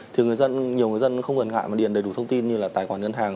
thì nhiều người dân không gần ngại mà điền đầy đủ thông tin như là tài khoản nhân hàng